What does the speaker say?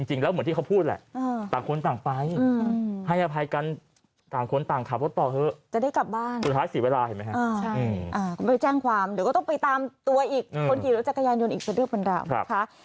จริงแล้วเหมือนที่เขาพูดแหละต่างคนต่างไปให้อภัยกันต่างคนต่างขับรถต่อเถอะ